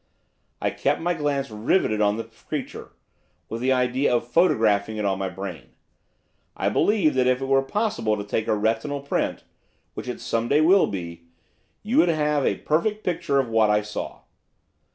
I kept my glance riveted on the creature, with the idea of photographing it on my brain. I believe that if it were possible to take a retinal print which it some day will be you would have a perfect picture of what it was I saw.